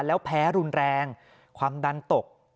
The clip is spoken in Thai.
แล้วแพ้รุนแรงความดันตก